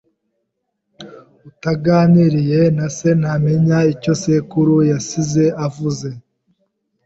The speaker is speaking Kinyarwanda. Utaganiriye na Se ntamenya icyo Sekuru yasize avuze